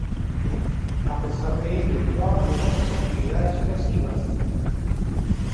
A pesar de ello, no abandonó sus actividades subversivas.